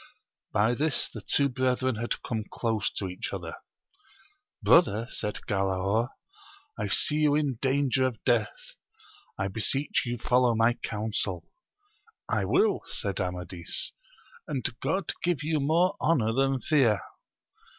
By this the two brethren had come close to each other : Brother, said Galaor, I see you in danger of death ; I beseech you foUow my counsel. I will, said Amadis, and God give you more honour than fear.